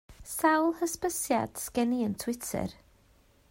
Sawl hysbysiad sgen i yn Twitter?